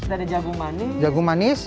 ada jagung manis